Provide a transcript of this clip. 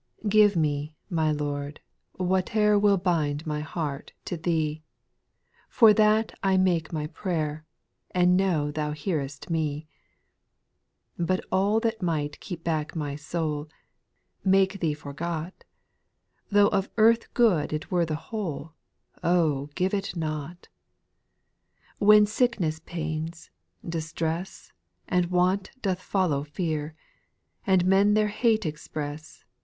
i' 6.' Give me, my Lord, whatever Will bind my heart to Thee ; For that I make my prayer. And know Thou hearest me I But all that might keep back my soul, Make Thee forgot — Tho' of earth good it were the whole, Oh I give it not. 6. When sickness pains, distress. And want doth follow fear, And men their hate express.